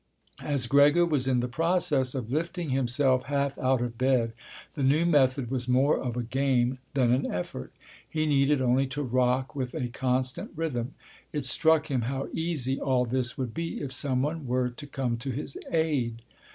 As Gregor was in the process of lifting himself half out of bed—the new method was more of a game than an effort; he needed only to rock with a constant rhythm—it struck him how easy all this would be if someone were to come to his aid.